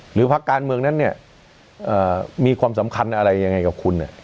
หรือพรรคการเมืองนั้นเนี่ยมีความสำคัญอะไรยังไงกับคุณเนี่ย